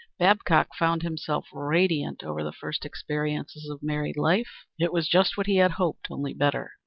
Babcock found himself radiant over the first experiences of married life. It was just what he had hoped, only better.